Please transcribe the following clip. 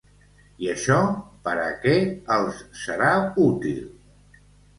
I això per a què els serà útil?